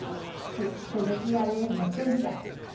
はいそれでＴＲＦのセンター。